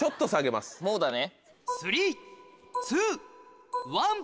もうだね。